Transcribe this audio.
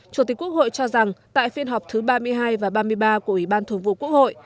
chủ tịch quốc hội cho rằng tại phiên họp thứ ba mươi hai và ba mươi ba của ủy ban thường vụ quốc hội